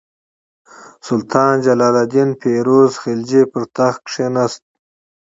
سلطان جلال الدین فیروز خلجي پر تخت کښېناست.